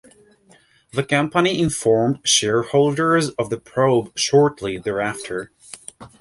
The company informed shareholders of the probe shortly thereafter.